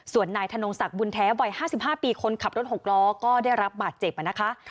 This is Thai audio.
ส่วนนายธนงศักดิ์บุญแท้วัย๕๕ปีคนขับรถ๖ล้อก็ได้รับบาดเจ็บนะคะ